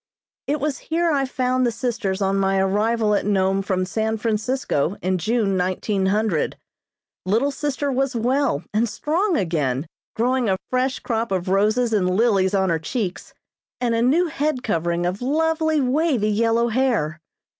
It was here I found the sisters on my arrival at Nome from San Francisco in June, 1900. Little sister was well and strong again, growing a fresh crop of roses and lilies on her cheeks, and a new head covering of lovely, wavy yellow hair.